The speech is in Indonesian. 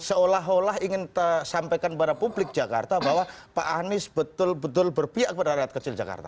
seolah olah ingin sampaikan kepada publik jakarta bahwa pak anies betul betul berpihak kepada rakyat kecil jakarta